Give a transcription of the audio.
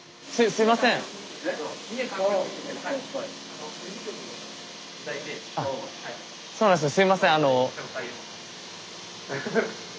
すいませんあの。